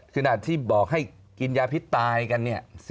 ขนาดที่บอกให้กินยาพิษตายกันเนี่ย